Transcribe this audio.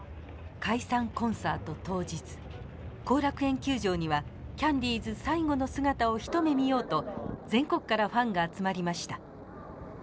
後楽園球場にはキャンディーズ最後の姿を一目見ようと全国からファンが集まりました。